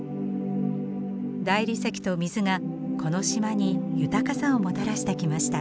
大理石と水がこの島に豊かさをもたらしてきました。